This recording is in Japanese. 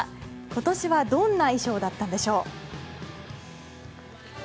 今年はどんな衣装だったんでしょう。